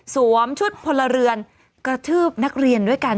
สวมชุดพลเรือนกระทืบนักเรียนด้วยกัน